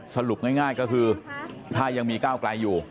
สรุปง่ายก็คือถ้ายังมีก้าวไกลอยู่